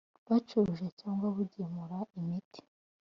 bacuruje cyangwa kugemura imiti.